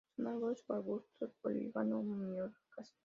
Son árboles o arbustos, Polígamo-dioicas.